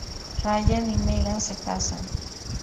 Ryan y Megan se casan.